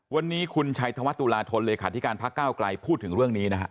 วันนี้คุณชัยธวัฒตุลาธนเลขาธิการพักก้าวไกลพูดถึงเรื่องนี้นะฮะ